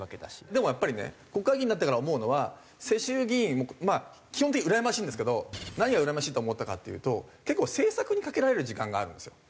でもやっぱりね国会議員になってから思うのは世襲議員基本的にうらやましいんですけど何がうらやましいと思ったかっていうと結構政策にかけられる時間があるんですよ。